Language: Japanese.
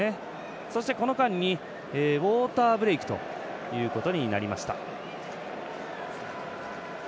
そして、この間にウォーターブレイクということになりました。